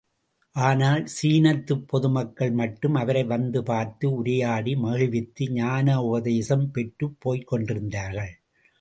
ஆனால், சீனத்துப் பொதுமக்கள் மட்டும் அவரை வந்து பார்த்து உரையாடி மகிழ்வித்து, ஞானோபதேசம் பெற்றுப் போய்க் கொண்டிருத்தார்கள்.